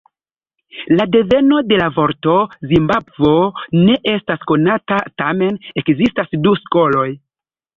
La deveno de la vorto "Zimbabvo" ne estas konata, tamen ekzistas du skoloj.